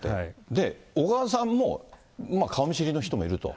で、小川さんも顔見知りの人もいると。